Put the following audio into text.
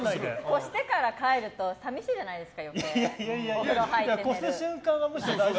越してから帰ると寂しいじゃないですか。